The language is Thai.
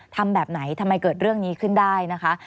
ทำแบบไหนทำไมเกิดเรื่องนี้ขึ้นได้นะคะ